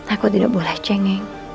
aku tidak boleh cengeng